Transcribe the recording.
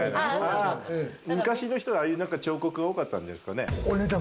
昔の人はああいう彫刻が多かったんじゃないですかね。